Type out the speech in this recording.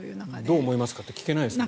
どう思いますかって聞けませんよね。